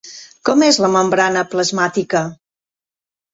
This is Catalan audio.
Com és la membrana plasmàtica?